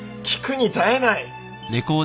聞くに堪えない！